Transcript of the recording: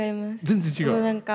全然違う？